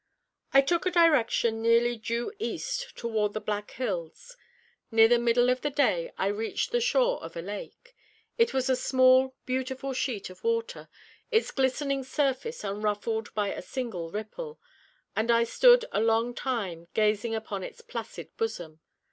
I took a direction nearly due east toward the Black Hills. Near the middle of the day I reached the shore of a lake. It was a small, beautiful sheet of water, its glistening surface unruffled by a single ripple, and I stood a long time gazing upon its placid bosom.